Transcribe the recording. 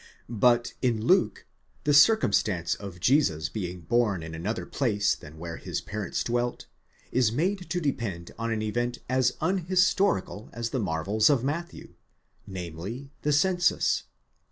Butin Luke, the circumstance of Jesus being born in another piace than where his parents dwelt, is made to depend on an event as unhistorical as the marvels of Matthew, namely the census.